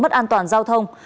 mất an toàn giao thông